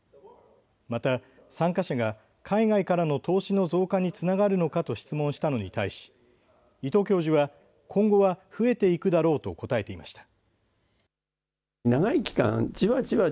また参加者が海外からの投資の増加につながるのかと質問したのに対し伊藤教授は今後は増えていくだろうと答えていました。